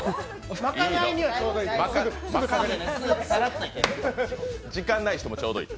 まかないにはちょうどいい。